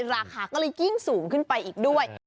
ราคาก็เลยยิ่งสูงขึ้นไปอีกด้วย